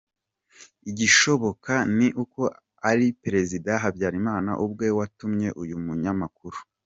Igishoboka ni uko ari Perezida Habyarimana ubwe watumye uyu munyamakuru.